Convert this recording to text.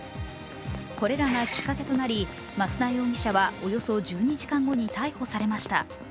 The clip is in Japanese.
これらがきっかけとなり増田容疑者はおよそ１２時間後に逮捕されました。